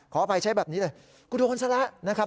ขออภัยใช้แบบนี้เลยกูโดนซะแล้วนะครับ